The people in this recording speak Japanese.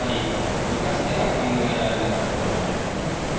昔では考えられなかった歌ですね。